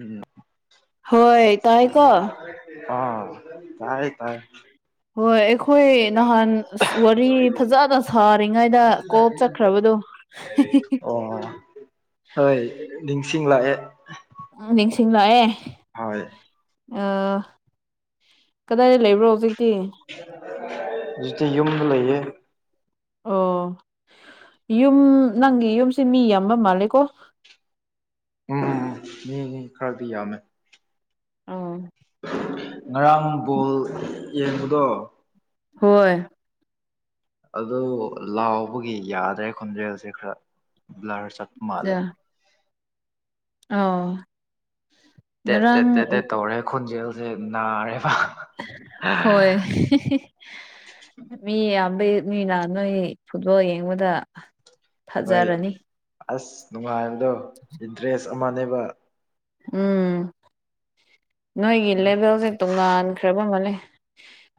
ꯎꯝ ꯍꯣꯏ ꯇꯥꯏꯀꯣ ꯑꯥ ꯇꯥꯏ ꯇꯥꯏ ꯍꯣꯏ ꯑꯩꯈꯣꯏ ꯅꯍꯥꯟ ꯑꯁ ꯋꯥꯔꯤ ꯐꯖꯅ ꯁꯥꯔꯤꯉꯩꯗ ꯀꯣꯜ ꯆꯠꯈ꯭ꯔꯕꯗꯣ [unintelligible] ꯍꯣꯏ ꯅꯤꯡꯁꯤꯡꯂꯥꯛꯑꯦ ꯎꯝ ꯅꯤꯡꯁꯤꯡꯂꯥꯛꯑꯦ ꯍꯣꯏ ꯑ ꯀꯗꯥꯏꯗ ꯂꯩꯕ꯭ꯔꯣ ꯍꯧꯖꯤꯛꯇꯤ ꯍꯧꯖꯤꯛꯇꯤ ꯌꯨꯝꯗ ꯂꯩꯌꯦ ꯑꯣ ꯌꯨꯝ ꯅꯪꯒꯤ ꯌꯨꯝꯁꯦ ꯃꯤ ꯌꯥꯝꯕ ꯃꯥꯜꯂꯦꯀꯣ ꯎꯝ ꯎꯝ ꯃꯤ ꯈꯔꯗꯤ ꯌꯥꯝꯃꯦ ꯑꯣ ꯉꯔꯥꯡ ꯕꯣꯜ ꯌꯦꯡꯕꯗꯣ ꯍꯣꯏ ꯑꯗꯨ ꯂꯥꯎꯕꯒꯤ ꯌꯥꯗ꯭ꯔꯦ ꯈꯣꯟꯖꯦꯜꯁꯦ ꯈꯔ ꯕ꯭ꯂꯔ ꯆꯥꯠꯄ ꯃꯥꯜꯂꯦ ꯑꯧ ꯇꯦꯠ ꯇꯦꯠ ꯇꯦꯠ ꯇꯧꯔꯦ ꯈꯣꯟꯖꯦꯜꯁꯦ ꯅꯥꯔꯦꯕ ꯍꯣꯏ ꯃꯤ ꯌꯥꯝꯕꯩ ꯃꯤ ꯅꯥ ꯅꯣꯏ ꯐꯨꯠꯕꯣꯜ ꯌꯦꯡꯕꯗ ꯍꯣꯏ ꯐꯖꯔꯅꯤ ꯑꯁ ꯅꯨꯡꯉꯥꯏꯕꯗꯣ ꯏꯟꯇꯔꯦꯁ ꯑꯃꯅꯦꯕ ꯎꯝ ꯅꯣꯏꯒꯤ ꯂꯦꯚꯦꯜꯁꯦ ꯇꯣꯉꯥꯟꯈ꯭ꯔꯕ ꯃꯥꯜꯂꯦ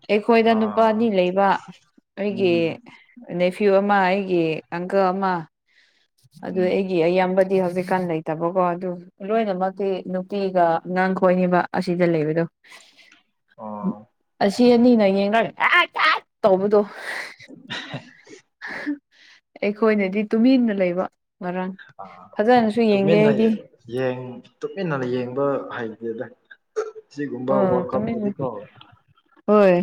ꯑꯩꯈꯣꯏꯗ ꯅꯨꯄꯥ ꯑꯥ ꯑꯅꯤ ꯂꯩꯕ ꯑꯩꯒꯤ ꯎꯝ ꯅꯦꯐꯤꯌꯨ ꯑꯃ ꯑꯩꯒꯤ ꯑꯪꯀꯜ ꯑꯃ ꯑꯗꯨ ꯎꯝ ꯑꯩꯒꯤ ꯑꯩꯌꯥꯝꯕꯗꯤ ꯍꯧꯖꯤꯛꯀꯥꯟ ꯂꯩ ꯇꯕꯀꯣ ꯑꯗꯨ ꯂꯣꯏꯅꯃꯛꯇꯤ ꯅꯨꯄꯤꯒ ꯑꯉꯥꯡ ꯈꯣꯏꯅꯤꯕ ꯑꯁꯤꯗ ꯂꯩꯕꯗꯣ ꯑꯣ ꯑꯁꯤ ꯑꯅꯤꯅ ꯌꯦꯡꯔꯒ ꯑꯩꯠ ꯑꯩꯠ ꯇꯧꯕꯗꯣ ꯑꯩꯈꯣꯏꯅꯗꯤ ꯇꯨꯃꯤꯟꯅ ꯂꯩꯕ ꯉꯔꯥꯡ ꯑꯥ ꯐꯖꯟꯅꯁꯨ ꯌꯦꯡꯗꯦ ꯇꯨꯃꯤꯟꯅ ꯑꯩꯗꯤ ꯌꯦꯡ ꯌꯦꯡ ꯇꯨꯃꯤꯟꯅ ꯌꯦꯡꯕ ꯍꯩꯇꯦꯗ ꯁꯤꯒꯨꯝꯕ ꯑ ꯋꯥꯔꯜ ꯇꯨꯃꯤꯟꯅ ꯀꯥꯞꯇꯗꯤꯀꯣ ꯍꯣꯏ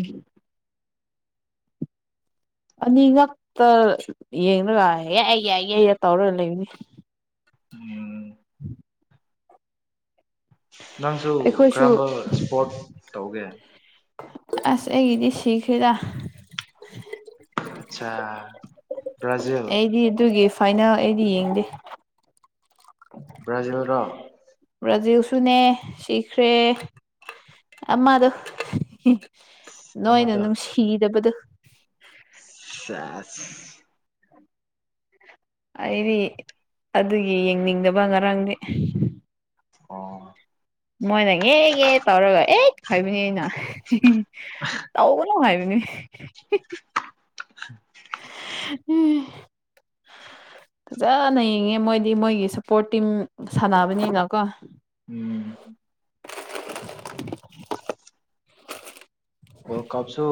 ꯑꯅꯤ ꯉꯛꯇ ꯌꯦꯡꯔꯒ ꯌꯥ ꯌꯥ ꯌꯥ ꯇꯧꯔꯒ ꯂꯩꯕꯅꯤ ꯎꯝ [inaudible] ꯅꯪꯁꯨ ꯑꯩꯈꯣꯏꯁꯨ ꯀꯔꯥꯝꯕ ꯁꯄꯣꯔꯠ ꯇꯧꯒꯦ ꯑꯁ ꯑꯩꯒꯤꯗꯤ ꯁꯤꯈ꯭ꯔꯦꯗ ꯑꯠꯆꯥ ꯕ꯭ꯔꯥꯖꯤꯜ ꯑꯩꯗꯤ ꯑꯗꯨꯒꯤ ꯐꯥꯏꯅꯦꯜ ꯑꯩꯗꯤ ꯌꯦꯡꯗꯦ ꯕ꯭ꯔꯥꯖꯤꯜꯔꯥ ꯕ꯭ꯔꯥꯖꯤꯜꯁꯨꯅꯦ ꯁꯤꯈ꯭ꯔꯦ ꯑꯃꯗꯨ ꯅꯣꯏꯅ ꯑꯃꯗꯣ ꯅꯨꯡꯁꯤꯗꯕꯗꯨ ꯁꯦꯁ ꯑꯩ ꯑꯗꯨꯒꯤ ꯌꯦꯡꯅꯤꯡꯗꯕ ꯉꯔꯥꯡꯗꯤ ꯑꯣ ꯃꯣꯏꯅ ꯉꯦ ꯉꯦ ꯇꯧꯔꯒ ꯑꯦꯠ ꯍꯥꯏꯕꯅꯤ ꯑꯩꯅ ꯇꯧꯒꯅ ꯅꯨ ꯍꯥꯏꯕꯅꯤ [inaudible] [inaudible] ꯐꯖꯅ ꯌꯦꯡꯉꯦ ꯃꯣꯏꯗꯤ ꯃꯣꯏꯒꯤ ꯁꯞꯄꯣꯔꯠ ꯇꯤꯝ ꯁꯥꯟꯅꯕꯅꯤꯅꯀꯣ ꯎꯝ ꯋꯥ꯭ꯔꯜ ꯀꯞꯁꯨ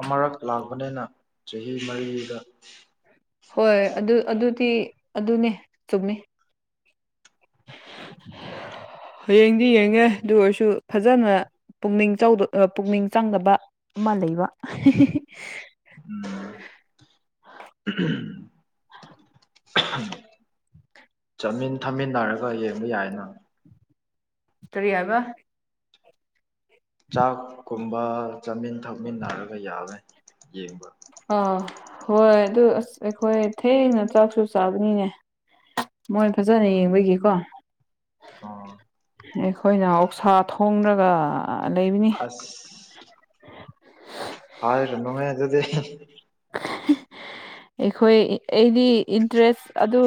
ꯑꯃꯔꯛ ꯂꯥꯛꯄꯅꯤꯅ ꯆꯍꯤ ꯃꯔꯤꯗ ꯍꯣꯏ ꯑꯗꯨ ꯑꯗꯨꯗꯤ ꯑꯗꯨꯅꯦ ꯆꯨꯝꯃꯦ ꯍꯌꯦꯡꯗꯤ ꯌꯦꯡꯉꯦ ꯑꯗꯨ ꯑꯣꯏꯔꯁꯨ ꯐꯖꯅ ꯄꯨꯛꯅꯤꯡ ꯆꯧꯕ ꯑꯥ ꯄꯨꯛꯅꯤꯡ ꯆꯪꯗꯕ ꯑꯃ ꯂꯩꯕ ꯑꯍꯦꯍꯦꯍꯦ ꯎꯝ [unintelligible] [unintelligible] ꯆꯥꯃꯤꯟ ꯊꯛꯃꯤꯟꯅꯔꯒ ꯌꯦꯡꯕ ꯌꯥꯏꯅ ꯀꯔꯤ ꯍꯥꯏꯕ ꯆꯥꯛꯀꯨꯝꯕ ꯆꯥꯃꯤꯟ ꯊꯛꯃꯤꯟꯅꯔꯒ ꯌꯥꯕꯅꯦ ꯌꯦꯡꯕ ꯑꯥ ꯍꯣꯏ ꯑꯗꯨ ꯑꯁ ꯑꯩꯈꯣꯏ ꯊꯦꯡꯅ ꯆꯥꯛꯁꯨ ꯆꯥꯕꯅꯤꯅꯦ ꯃꯣꯏ ꯐꯖꯅ ꯑꯣ ꯌꯦꯡꯕꯒꯤꯀꯣ ꯑꯣ ꯑꯩꯈꯣꯏꯅ ꯑꯣꯛꯁꯥ ꯊꯣꯡꯔꯒ ꯂꯩꯕꯅꯤ ꯍꯥꯏꯔꯅꯣꯍꯦ ꯑꯗꯨꯗꯤ [unintelligible] [unintelligible] ꯑꯩꯈꯣꯏ ꯑꯩꯗꯤ ꯏꯟꯇ꯭ꯔꯦꯁ ꯑꯗꯨ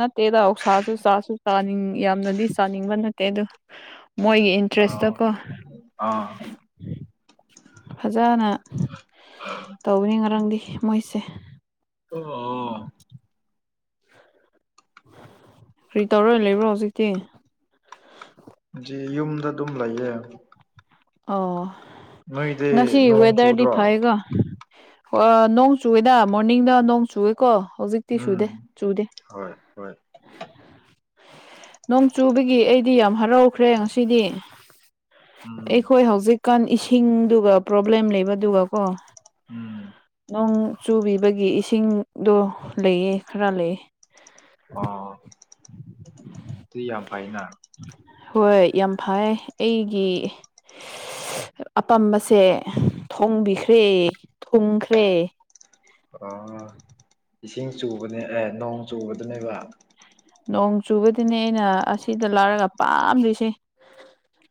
ꯅꯠꯇꯦꯗ ꯑꯣꯛꯁꯥꯁꯨ ꯆꯥꯁꯨ ꯆꯥꯅꯤꯡ ꯌꯥꯝꯅꯗꯤ ꯆꯥꯅꯤꯡꯕ ꯅꯠꯇꯦ ꯑꯗꯨ ꯃꯣꯏꯒꯤ ꯑꯥ ꯏꯟꯇ꯭ꯔꯦꯁꯇꯀꯣ ꯑꯥ ꯐꯖꯅ ꯇꯧꯕꯅꯤ ꯉꯔꯥꯡꯗꯤ ꯃꯣꯏꯁꯦ ꯑꯣ ꯑꯣ [inaudible] ꯀ꯭ꯔꯤ ꯇꯧꯔ ꯂꯩꯕ꯭ꯔꯣ ꯍꯨꯖꯤꯛꯇꯤ ꯖꯤ ꯌꯨꯝꯗ ꯑꯗꯨꯝ ꯂꯩꯌꯦ ꯑꯣ ꯅꯣꯏꯗꯤ ꯉꯁꯤ ꯅꯣꯡ ꯋꯦꯗ꯭ꯔꯗꯤ ꯆꯨꯗ꯭ꯔꯣ ꯐꯩꯌꯦꯀꯣ ꯍꯣꯢꯍꯣ ꯅꯣꯡ ꯆꯨꯋꯦꯗ ꯃꯣꯔꯅꯤꯡꯗ ꯅꯣꯡ ꯆꯨꯋꯦꯀꯣ ꯍꯧꯖꯤꯛꯇꯤ ꯎꯝ ꯆꯨꯗꯦ ꯆꯨꯗꯦ ꯍꯣꯏ ꯍꯣꯏ ꯅꯣꯡ ꯆꯨꯕꯒꯤ ꯑꯩꯗꯤ ꯌꯥꯝ ꯍꯔꯥꯎꯈ꯭ꯔꯦ ꯉꯁꯤꯗꯤ ꯎꯝ ꯑꯩꯈꯣꯏ ꯍꯧꯖꯤꯛꯀꯥꯟ ꯏꯁꯤꯡꯗꯨꯒ ꯄ꯭ꯔꯣꯕ꯭ꯂꯦꯝ ꯂꯩꯕꯗꯨꯒ ꯀꯣ ꯎꯝ ꯅꯣꯡ ꯆꯨꯕꯤꯕꯒꯤ ꯏꯁꯤꯡꯗꯣ ꯂꯩꯌꯦ ꯈꯔ ꯂꯩꯌꯦ ꯑꯣ ꯑꯗꯨꯗꯤ ꯌꯥꯝ ꯐꯩꯅ ꯍꯣꯏ ꯌꯥꯝ ꯐꯥꯏꯌꯦ ꯑꯩꯒꯤ ꯑꯄꯥꯝꯕꯁꯦ ꯊꯣꯡꯕꯤꯈ꯭ꯔꯦ ꯊꯨꯡꯈ꯭ꯔꯦ ꯑꯥ ꯏꯁꯤꯡ ꯆꯨꯕꯅꯦ ꯑꯦ ꯅꯣꯡ ꯆꯨꯕꯗꯅꯦꯕ ꯀꯣ ꯅꯣꯡ ꯆꯨꯕꯗꯨꯅꯦ ꯑꯩꯅ ꯑꯁꯤꯗ ꯂꯩꯔꯒ ꯄꯥꯥꯗꯨꯏꯁꯦ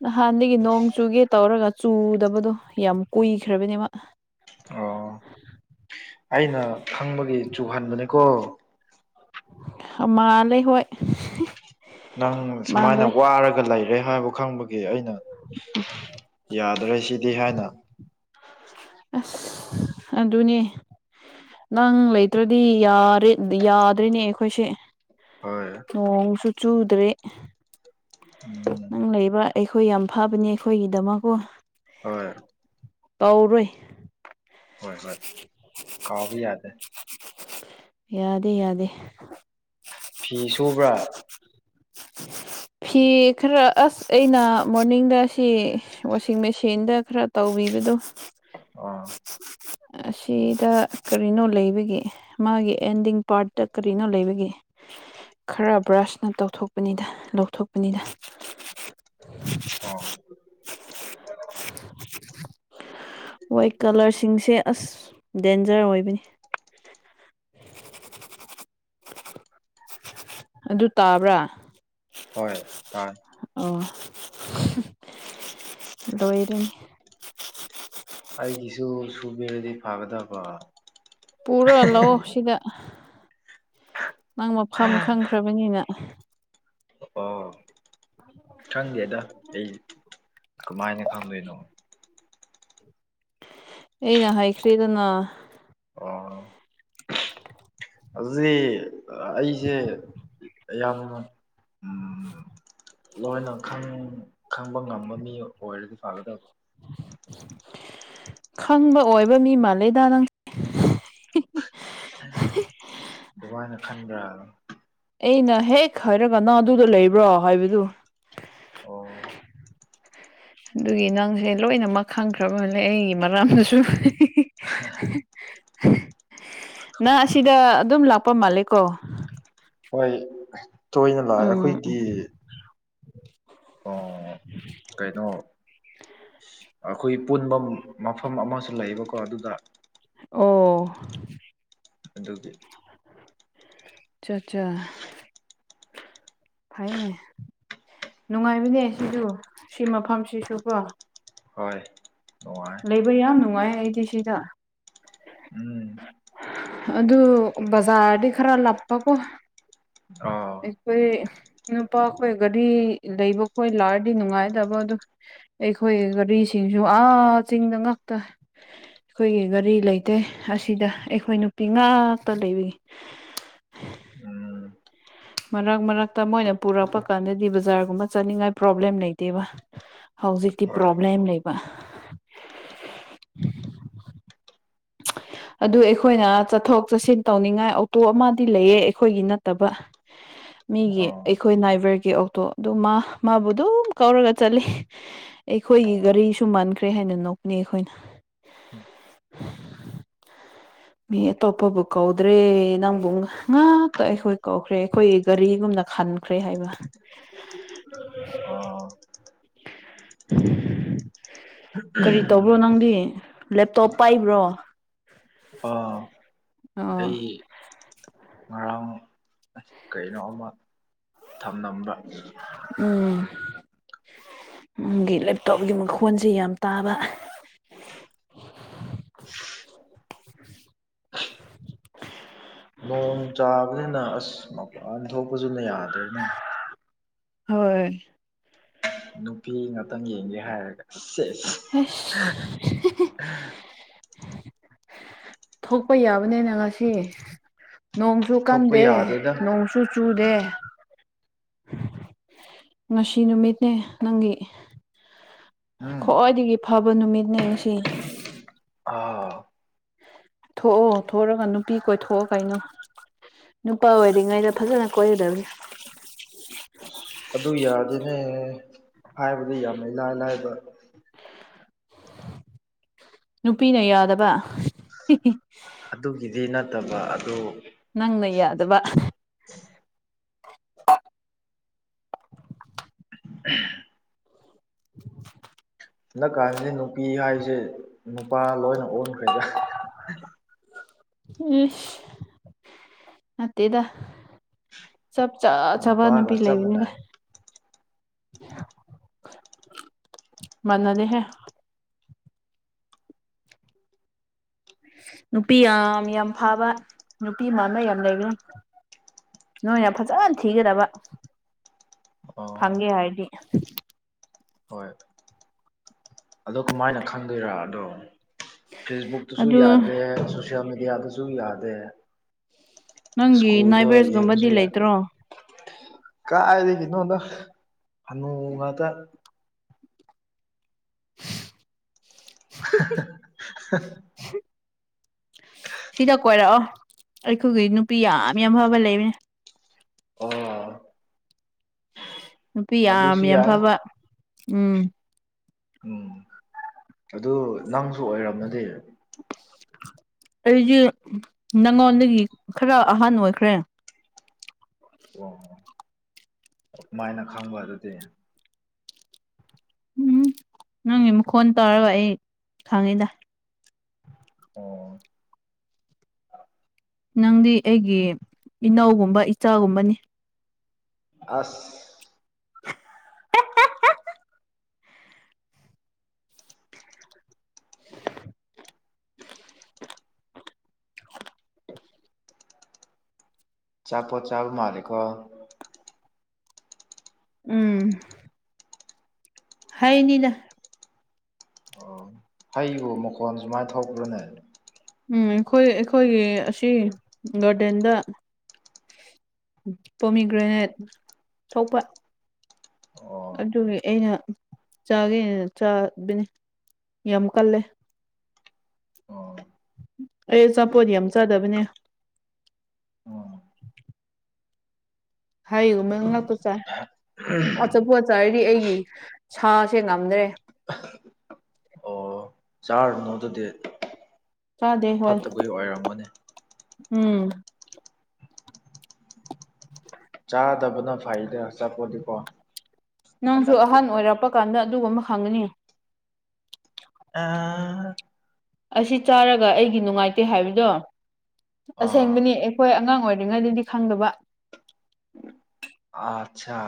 ꯅꯍꯥꯟꯗꯒꯤ ꯅꯣꯡ ꯆꯨꯒꯦ ꯇꯧꯔꯒ ꯆꯨꯗꯕꯗꯣ ꯌꯥꯝ ꯀꯨꯏꯈ꯭ꯔꯕꯅꯦ ꯃꯥ ꯑꯣ ꯑꯩꯅ ꯈꯪꯕꯒꯤ ꯆꯨꯍꯟꯕꯅꯦꯀꯣ ꯃꯥꯜꯂꯦ ꯍꯣꯏ ꯅꯪ ꯁꯨꯃꯥꯏꯅ ꯃꯥꯜꯂꯦ ꯋꯥꯔꯒ ꯂꯩꯔꯦ ꯍꯥꯏꯕ ꯈꯪꯕ ꯒꯤ ꯑꯩꯅ ꯌꯥꯗ꯭ꯔꯦ ꯁꯤꯗꯤ ꯍꯥꯏꯅ ꯑꯁ ꯑꯗꯨꯅꯦ ꯅꯪ ꯂꯩꯇ꯭ꯔꯗꯤ ꯌꯥꯔꯦ ꯌꯥꯗ꯭ꯔꯤꯅꯦ ꯑꯩꯈꯣꯏꯁꯦ ꯍꯣꯏ ꯅꯣꯡꯁꯨ ꯆꯨꯗ꯭ꯔꯦ ꯎꯝ ꯅꯪ ꯂꯩꯕ ꯑꯩꯈꯣꯏ ꯌꯥꯝ ꯐꯕꯅꯤ ꯑꯩꯈꯣꯏꯒꯤꯗꯃꯛꯀꯣ ꯍꯣꯏ ꯀꯧꯔꯨꯏ ꯍꯣꯏ ꯍꯣꯏ ꯀꯥꯎꯕ ꯌꯥꯗꯦ ꯌꯥꯗꯦ ꯌꯥꯗꯦ ꯐꯤ ꯁꯨꯕ꯭ꯔꯥ ꯐꯤ ꯈꯔ ꯑꯁ ꯑꯩꯅ ꯃꯣꯔꯅꯤꯡꯗ ꯁꯤ ꯋꯥꯁꯤꯡ ꯃꯦꯆꯤꯟꯗ ꯈꯔ ꯇꯧꯕꯤꯕꯗꯣ ꯑꯣ ꯑꯁꯤꯗ ꯀꯔꯤꯅꯣ ꯂꯩꯕꯒꯤ ꯃꯥꯒꯤ ꯑꯦꯟꯗꯤꯡ ꯄꯥ꯭ꯔꯠꯇ ꯀꯔꯤꯅꯣ ꯂꯩꯕꯒꯤ ꯈꯔ ꯕ꯭ꯔꯁꯅ ꯇꯧꯊꯣꯛꯄꯅꯤꯗ ꯊꯣꯛꯄꯅꯤꯗ ꯑꯣ ꯃꯣꯏ ꯀꯂꯔꯁꯤꯡꯁꯦ ꯑꯁ ꯗꯦꯟꯖꯔ ꯑꯣꯏꯕꯅꯤ ꯑꯗꯨ ꯇꯕ꯭ꯔꯥ ꯍꯣꯏ ꯇꯥꯏ ꯎꯝ ꯂꯣꯏꯔꯅꯤ ꯑꯩꯒꯤꯁꯨ ꯁꯨꯕꯤꯔꯗꯤ ꯐꯒꯗꯕ ꯄꯨꯔꯥꯒ ꯂꯧꯑꯣ ꯁꯤꯗ ꯅꯪ ꯃꯐꯝ ꯈꯪꯈ꯭ꯔꯕꯅꯤꯅ ꯑꯣ ꯈꯪꯗꯦꯗ ꯑꯩ ꯀꯃꯥꯏꯅ ꯈꯪꯗꯣꯏꯅꯣ ꯑꯩꯅ ꯍꯥꯏꯈ꯭ꯔꯦꯗꯅ ꯑꯣ [inaudible] ꯍꯧꯖꯤꯛ ꯑꯩꯁꯦ ꯌꯥꯝꯅ ꯎꯝ ꯂꯣꯏꯅ ꯈꯪ ꯈꯪꯕ ꯉꯥꯝꯕ ꯃꯤ ꯑꯣꯏꯔꯗꯤ ꯐꯒꯗꯕ ꯈꯪꯕ ꯑꯣꯏꯕ ꯃꯤ ꯃꯥꯜꯂꯦꯗ ꯅꯪ ꯑꯗꯨꯃꯥꯏꯅ ꯈꯟꯕ꯭ꯔꯥ ꯑꯩꯅ ꯍꯦꯛ ꯍꯥꯏꯔꯒ ꯅꯪ ꯑꯗꯨꯗ ꯂꯩꯕ꯭ꯔꯣ ꯍꯥꯏꯕꯗꯨ ꯑꯣ ꯑꯗꯨꯒꯤ ꯅꯪꯖꯦ ꯂꯣꯏꯅꯃꯛ ꯈꯪꯈ꯭ꯔꯕ ꯃꯥꯜꯂꯦ ꯑꯩꯒꯤ ꯃꯔꯥꯝꯗꯁꯨ ꯅꯪ ꯑꯁꯤꯗ ꯑꯗꯨꯝ ꯂꯥꯛꯄ ꯃꯥꯜꯂꯦ ꯀꯣ ꯍꯣꯏ ꯇꯣꯏꯅ ꯂꯥꯛꯑꯦ ꯎꯝ ꯑꯩꯈꯣꯏꯗꯤ [inaudible] ꯑꯣ ꯀꯩꯅꯣ ꯑꯈꯣꯏ ꯄꯨꯟꯕꯝ ꯃꯐꯝ ꯑꯃꯁꯨ ꯂꯩꯌꯦꯕꯀꯣ ꯑꯗꯨꯗ ꯑꯣ ꯑꯗꯨꯒꯤ ꯑꯆꯥ ꯆꯥ ꯐꯩꯅꯦ ꯅꯨꯡꯉꯥꯏꯕꯅꯦ ꯁꯤꯁꯨ ꯁꯤ ꯃꯐꯝꯁꯤꯁꯨ ꯀꯣ ꯍꯣꯏ ꯅꯨꯡꯉꯥꯏ ꯂꯩꯕ ꯌꯥꯝ ꯅꯨꯡꯉꯥꯏ ꯑꯩꯗꯤ ꯁꯤꯗ ꯎꯝ ꯑꯗꯨ ꯕꯖꯥꯔꯗꯤ ꯈꯔ ꯂꯥꯞꯄꯀꯣ ꯑꯣ ꯑꯩꯈꯣꯏ ꯅꯨꯄꯥꯈꯣꯏ ꯒꯥꯔꯤ ꯂꯩꯕ ꯈꯣꯏ ꯂꯥꯛꯔꯗꯤ ꯅꯨꯡꯉꯥꯏꯗꯕ ꯑꯗꯨ ꯑꯩꯈꯣꯏ ꯒꯥꯔꯤꯁꯤꯡꯖꯨ ꯑꯥ ꯆꯤꯡꯗ ꯉꯥꯛꯇ ꯑꯩꯈꯣꯏꯒꯤ ꯒꯥꯔꯤ ꯂꯩꯇꯦ ꯑꯁꯤꯗ ꯑꯩꯈꯣꯏ ꯅꯨꯄꯤ ꯉꯥꯛꯇ ꯂꯩꯕꯒꯤ ꯎꯝ ꯃꯔꯛ ꯃꯔꯛꯇ ꯃꯣꯏꯅ ꯄꯨꯔꯛꯄ ꯀꯥꯟꯗꯗꯤ ꯕꯖꯥꯔꯒꯨꯝꯕ ꯆꯥꯠꯅꯤꯡꯉꯥꯏ ꯄ꯭ꯔꯣꯕ꯭ꯂꯦꯝ ꯂꯩꯇꯦꯕ ꯍꯧꯖꯤꯛꯇꯤ ꯍꯣꯏ ꯄ꯭ꯔꯣꯕ꯭ꯂꯦꯝ ꯂꯩꯕ [unintelligible] ꯑꯗꯨ ꯑꯩꯈꯣꯏꯅ ꯆꯥꯠꯊꯣꯛ ꯆꯥꯠꯁꯤꯟ ꯇꯧꯅꯤꯡꯉꯥꯏ ꯑꯣꯇꯣ ꯑꯃꯗꯤ ꯂꯩꯌꯦ ꯑꯩꯈꯣꯏꯒꯤ ꯅꯥꯠꯇꯕ ꯃꯤꯒꯤ ꯑꯣ ꯑꯩꯈꯣꯏ ꯅꯥꯏꯚꯔꯒꯤ ꯑꯣꯛꯇꯣ ꯑꯗꯨ ꯃꯥ ꯃꯥꯕꯨ ꯑꯗꯨꯝ ꯀꯧꯔꯒ ꯆꯥꯠꯂꯤ ꯑꯩꯈꯣꯏꯒꯤ ꯑꯣ ꯒꯥꯔꯤꯁꯨ ꯃꯥꯟꯈ꯭ꯔꯦ ꯍꯥꯏꯅ ꯅꯣꯛꯄꯅꯤ ꯑꯩꯈꯣꯏꯅ ꯃꯤ ꯑꯇꯣꯞꯄꯕꯨ ꯀꯧꯗ꯭ꯔꯦ ꯅꯪꯕꯨ ꯉꯥꯛꯇ ꯑꯩꯈꯣꯏ ꯀꯧꯈ꯭ꯔꯦ ꯑꯩꯈꯣꯏ ꯒꯥꯔꯤꯒꯨꯝꯅ ꯈꯥꯟ ꯈ꯭ꯔꯦ ꯍꯥꯏꯕ ꯑꯣ ꯀꯔꯤ ꯇꯧꯕ꯭ꯔꯣ ꯅꯪꯗꯤ ꯂꯦꯞꯇꯣꯞ ꯄꯥꯏꯕ꯭ꯔꯣ ꯑꯥ ꯑꯥ ꯑꯩ ꯉꯔꯥꯡ ꯀꯩꯅꯣ ꯑꯃ ꯊꯥꯝꯂꯝꯕ ꯎꯝ ꯅꯪꯒꯤ ꯂꯦꯞꯇꯣꯞꯒꯤ ꯃꯈꯣꯟꯁꯦ ꯌꯥꯝ ꯇꯥꯕ ꯅꯣꯡ ꯇꯕꯅꯤꯅ ꯑꯁ ꯃꯄꯥꯟ ꯊꯣꯛꯄꯁꯨꯅꯦ ꯌꯥꯗ꯭ꯔꯦꯅꯦ ꯍꯣꯏ ꯅꯨꯄꯤ ꯉꯥꯛꯇꯪ ꯌꯦꯡꯒꯦ ꯍꯥꯏꯔꯒꯦ ꯁꯦꯁ ꯑꯁ [unintelligible] ꯊꯣꯛꯄ ꯌꯥꯕꯅꯤꯅ ꯉꯁꯤ ꯅꯣꯡꯁꯨ ꯊꯣꯛꯄ ꯀꯟꯗꯦ ꯌꯥꯗꯦꯗ ꯅꯣꯡꯁꯨ ꯆꯨꯆꯨꯗꯦ ꯉꯁꯤ ꯅꯨꯃꯤꯠꯅꯦ ꯅꯪꯒꯤ ꯎꯝ ꯈ꯭ꯋꯥꯏꯗꯒꯤ ꯐꯕ ꯅꯨꯃꯤꯠꯅꯦ ꯉꯁꯤ ꯑꯥ ꯊꯣꯛꯑꯣ ꯊꯣꯛꯔꯒ ꯅꯨꯄꯤ ꯀꯣꯏꯊꯣꯛꯑꯣ ꯀꯩꯅꯣ ꯅꯨꯄꯥ ꯑꯣꯏꯔꯤꯉꯩꯗ ꯐꯖꯅ ꯀꯣꯏꯒꯗꯕꯅꯤ ꯑꯗꯨ ꯌꯥꯗꯦꯅꯦ ꯍꯥꯏꯕꯗ ꯌꯥꯝꯅ ꯏꯂꯥꯏ ꯂꯥꯏꯕ ꯅꯨꯄꯤꯅ ꯌꯥꯗꯕ ꯑꯗꯨꯒꯤꯗꯤ ꯅꯥꯠꯇꯕ ꯑꯗꯨ ꯅꯪꯅ ꯌꯥꯗꯕ ꯎꯝ [inaudible] ꯂꯥꯛꯀꯥꯟꯁꯤ ꯅꯨꯄꯤ ꯍꯥꯏꯁꯦ ꯅꯨꯄꯥ ꯂꯣꯏꯅ ꯑꯣꯟꯈ꯭ꯔꯦꯗ ꯏꯁ ꯅꯠꯇꯦꯗ ꯆꯞ ꯆꯥ ꯆꯥꯕ ꯅꯨꯄꯥꯒ ꯅꯨꯄꯤ ꯆꯞ ꯂꯩꯕꯅꯤꯗ ꯃꯥꯟꯅꯩ ꯃꯅꯗꯦ ꯍꯦ ꯅꯨꯄꯤ ꯌꯥꯝ ꯌꯥꯝ ꯐꯕ ꯅꯨꯄꯤ ꯃꯥꯟꯕ ꯌꯥꯝ ꯂꯩꯕꯅꯦ ꯅꯣꯏꯅ ꯐꯖꯅ ꯊꯤꯒꯗꯕ ꯑꯣ ꯐꯪꯒꯦ ꯍꯥꯏꯔꯗꯤ ꯍꯣꯏ ꯑꯗꯣ ꯀꯃꯥꯏꯅ ꯈꯪꯗꯣꯏꯔ ꯑꯗꯣ ꯐꯦꯁꯕꯨꯛꯇꯁꯨ ꯑꯗꯨ ꯌꯥꯗꯦ ꯁꯣꯁꯤꯌꯦꯜ ꯃꯦꯗꯤꯌꯥꯗꯁꯨ ꯌꯥꯗꯦ ꯅꯪꯒꯤ ꯁ꯭ꯀꯨꯜꯗ ꯅꯥꯏꯕꯔꯁꯒꯨꯝꯕꯗꯤ ꯌꯦꯡꯕꯁꯨ ꯌꯥꯗꯦ ꯂꯩꯇ꯭ꯔꯣ ꯀꯥꯏꯗꯒꯤꯅꯣꯗ ꯍꯅꯨꯉꯇꯥ ꯍꯥꯍꯥꯍꯥ ꯁꯤꯗ ꯀꯣꯏꯔꯛꯑꯣ ꯑꯩꯈꯣꯏꯒꯤ ꯅꯨꯄꯤ ꯌꯥꯝ ꯌꯥꯝ ꯑꯐꯕ ꯂꯩꯕꯅꯦ ꯑꯣ ꯅꯨꯄꯤ ꯌꯥꯝ ꯑꯗꯨꯁꯨ ꯌꯥꯝ ꯌꯥꯏ ꯐꯕ ꯎꯝ ꯎꯝ ꯑꯗꯨ ꯅꯪꯁꯨ ꯑꯣꯏꯔꯝꯔꯗꯤ ꯑꯩꯗꯤ ꯅꯪꯉꯣꯟꯗꯒꯤ ꯈꯔ ꯑꯍꯟ ꯑꯣꯏꯈ꯭ꯔꯦ ꯋꯥ ꯀꯃꯥꯏꯅ ꯈꯪꯕ ꯑꯗꯨꯗꯤ ꯎꯝ ꯅꯪꯒꯤ ꯃꯈꯣꯟ ꯇꯥꯔꯒ ꯑꯩ ꯈꯪꯉꯤꯗ ꯑꯣ ꯅꯪꯗꯤ ꯑꯩꯒꯤ ꯏꯅꯧꯒꯨꯝꯕ ꯏꯆꯥꯒꯨꯝꯕꯅꯤ ꯑꯁ ꯆꯥꯄꯣꯠ ꯆꯥꯥꯕ ꯃꯥꯂꯦꯀꯣ ꯎꯝ ꯍꯩꯅꯤꯗ ꯑꯣ ꯍꯩꯕꯣ ꯃꯈꯣꯟ ꯁꯨꯃꯥꯏꯟ ꯊꯣꯛꯄ꯭ꯔꯅꯦ ꯎꯝ ꯑꯩꯈꯣꯏ ꯑꯩꯈꯣꯏꯒꯤ ꯑꯁꯤ ꯒꯥꯔꯗꯦꯟꯗ ꯄꯣꯃꯤꯒ꯭ꯔꯦꯅꯦꯠ ꯊꯣꯛꯄ ꯑꯣ ꯑꯗꯨꯒꯤ ꯑꯩꯅ ꯆꯥꯒꯦꯅ ꯆꯥꯕꯅꯤ ꯌꯥꯝ ꯀꯜꯂꯦ ꯑꯣ ꯑꯩ ꯑꯆꯥꯄꯣꯠ ꯌꯥꯝ ꯆꯥꯗꯕꯅꯦ ꯎꯝ ꯍꯩꯒꯨꯝꯕ ꯉꯛꯇꯥ ꯆꯥꯏ [unintelligible] ꯑꯆꯥꯄꯣꯠ ꯆꯥꯔꯗꯤ ꯑꯩꯒꯤ ꯁꯥꯁꯦ ꯉꯝꯗ꯭ꯔꯦ ꯑꯣ ꯆꯥꯔꯨꯅꯣ ꯑꯗꯨꯗꯤ ꯆꯥꯗꯦ ꯍꯣꯏ ꯐꯠꯇꯕꯒꯤ ꯑꯣꯏꯔꯝꯒꯅꯤ ꯎꯝ [inaudible] ꯆꯥꯗꯕꯅ ꯐꯩꯗꯥ ꯑꯆꯥꯄꯣꯠꯇꯤꯀꯣ ꯅꯪꯁꯨ ꯍꯟꯗꯛꯇꯤ ꯑꯍꯟ ꯑꯣꯏꯔꯛꯄ ꯀꯥꯟꯗ ꯑꯗꯨꯒꯨꯝꯕ ꯍꯪꯒꯅꯤ ꯑꯥ ꯑꯁꯤ ꯆꯥꯔꯒ ꯑꯩꯒꯤ ꯅꯨꯡꯉꯥꯏꯇꯦ ꯍꯥꯏꯕꯗꯣ ꯑꯁꯦꯡꯕꯅꯤ ꯑꯦ ꯍꯣꯏ ꯑꯉꯥꯡ ꯑꯣꯏꯔꯤꯉꯩꯗꯗꯤ ꯈꯪꯗꯕ ꯑꯥꯠꯆꯥ